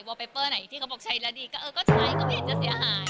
ไปเปอร์ไหนที่เขาบอกใช้แล้วดีก็เออก็ใช้ก็ไม่เห็นจะเสียหาย